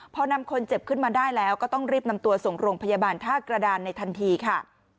พอนำคนเจ็บขึ้นมาได้แล้วก็ต้องรีบนำตัวส่งโรงพยาบาลท่ากระดานในทันทีค่ะ